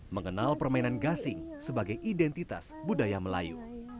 mengenal permainan gasing sebagai identitas budaya melayu